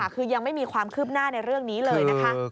คือยังไม่มีความคืบหน้าในเรื่องนี้เลยนะคะ